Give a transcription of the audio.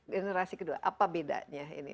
generasi kedua apa bedanya ini